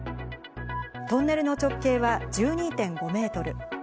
トンネルの直径は１２．５メートル。